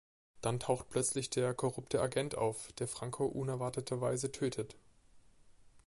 Dann taucht plötzlich der korrupte Agent auf, der Franco unerwarteterweise tötet.